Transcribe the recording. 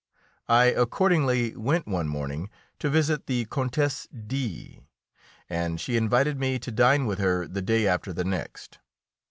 I accordingly went one morning to visit the Countess D , and she invited me to dine with her the day after the next.